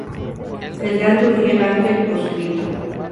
El grande Uriel ángel proscrito.